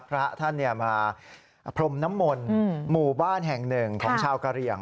พระท่านมาพรมน้ำมนต์หมู่บ้านแห่งหนึ่งของชาวกะเหลี่ยง